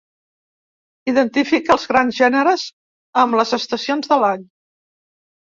Identifica els grans gèneres amb les estacions de l'any.